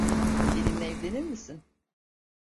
Benimle evlenir misin?